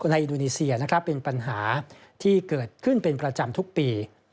อินโดนีเซียนะครับเป็นปัญหาที่เกิดขึ้นเป็นประจำทุกปี